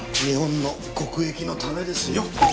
日本の国益のためですよ。